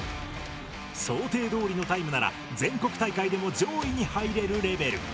想定どおりのタイムなら全国大会でも上位に入れるレベル。